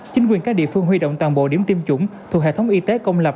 chính quyền các địa phương huy động toàn bộ điểm tiêm chủng thuộc hệ thống y tế công lập